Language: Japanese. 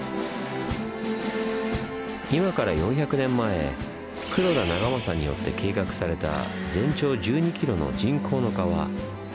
今から４００年前黒田長政によって計画された全長１２ｋｍの人工の川「遠賀堀川」の一部です。